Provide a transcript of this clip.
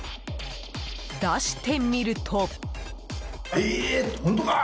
出してみると。